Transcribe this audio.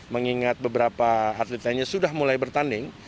mengingat beberapa atlet lainnya sudah mulai bertanding